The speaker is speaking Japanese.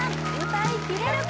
歌いきれるか？